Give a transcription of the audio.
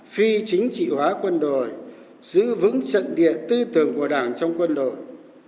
phi chính trị hóa quân đội giữ vững trận địa tư tưởng của đảng trong quân đội